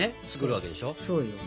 そうよ。